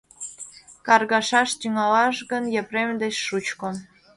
Каргашаш тӱҥалаш гын, Епрем деч шучко.